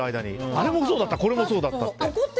あれもそうだったこれもそうだったって。